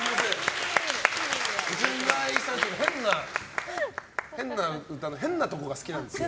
岩井さん、変な歌の変なところが好きなんですよ。